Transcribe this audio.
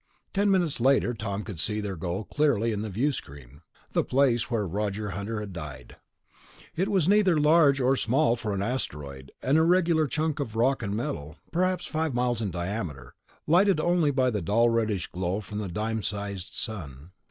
Ten minutes later, Tom could see their goal clearly in the viewscreen ... the place where Roger Hunter had died. It was neither large nor small for an asteroid, an irregular chunk of rock and metal, perhaps five miles in diameter, lighted only by the dull reddish glow from the dime sized sun.